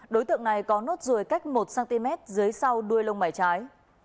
đối tượng này có nốt ruồi cách một cm dưới sau đuôi lông mảy trái